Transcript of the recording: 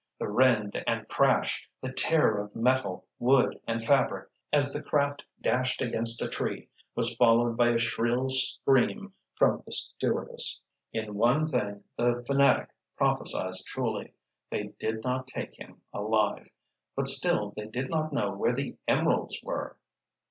The rend and crash, the tear of metal, wood and fabric as the craft dashed against a tree, was followed by a shrill scream from the stewardess. In one thing the fanatic prophesied truly. They did not take him alive. But still they did not know where the emeralds were!